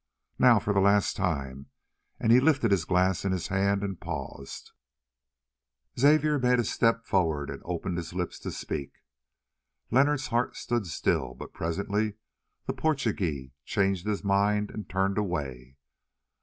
Now, for the last time," and he lifted his glass in his hand and paused. Xavier made a step forward and opened his lips to speak. Leonard's heart stood still, but presently the Portugee changed his mind and turned away.